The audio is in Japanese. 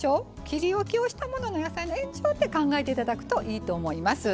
切りおきをしたものの野菜の延長って考えていただくといいと思います。